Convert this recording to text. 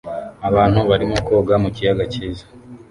abantu barimo koga mu kiyaga cyiza